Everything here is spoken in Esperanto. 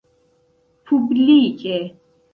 publike